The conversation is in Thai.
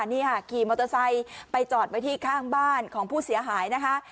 นี่ค่ะขี่มอเตอร์ไซค์ไปจอดไว้ที่ข้างบ้านของผู้เสียหายนะคะ